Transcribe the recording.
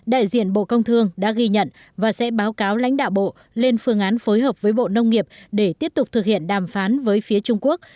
đại diện bộ công thương đã ghi nhận và sẽ báo cáo lãnh đạo bộ lên phương án phối hợp với bộ nông nghiệp để tiếp tục thực hiện đàm phán với phía trung quốc